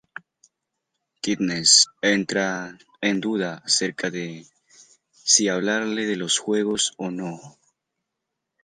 Katniss entra en duda acerca de si hablarle de los juegos o no.